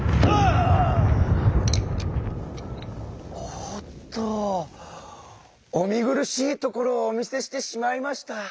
おっとお見苦しいところをお見せしてしまいました。